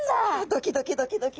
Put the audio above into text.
ドキドキドキドキ。